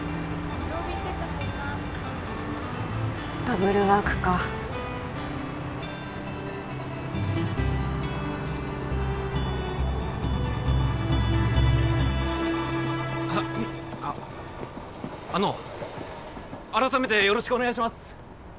ダブルワークかあっあっあの改めてよろしくお願いします！